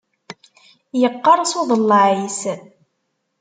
Yeqqers uḍellaɛ-is.